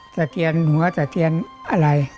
เทียนหัวสะเทียนอะไร